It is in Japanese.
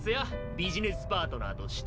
ビジネスパートナーとして。